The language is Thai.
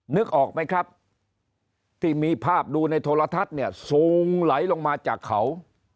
นึกออกไหมครับที่มีภาพดูในโทรทัศน์เนี่ยสูงไหลลงมาจากเขา